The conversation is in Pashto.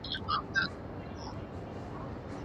د جامو اغوستلو وخت کښي دا دعاء ويل راغلي